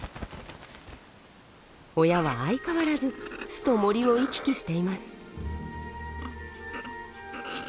親は相変わらず巣と森を行き来しています。